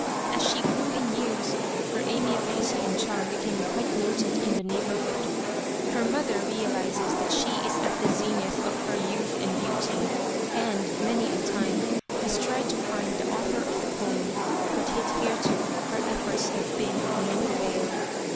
As she grew in years, her amiability and charm became quite noted in the neighbourhood : her mother realizes that she is at the zenith of her youth and beauty, and, many a time, has tried to find the author of the poem, but hitherto her efforts have been of no avail.